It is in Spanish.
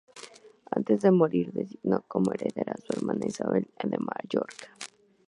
Antes de morir, designó como heredera a su hermana Isabel de Mallorca.